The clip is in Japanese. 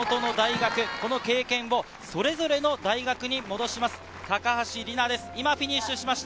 ２６番目、地元の大学、この経験をそれぞれの大学に戻します、高橋里奈です。